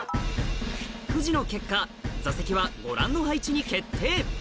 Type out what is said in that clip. クジの結果座席はご覧の配置に決定